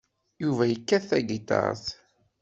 Yuba yekkat tagiṭart.